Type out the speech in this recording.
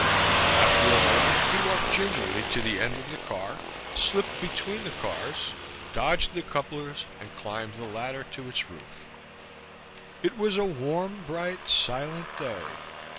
After a moment he walked gingerly to the end of the car, slipped between the cars, dodged the couplers and climbed the ladder to its roof. It was a warm, bright, silent day.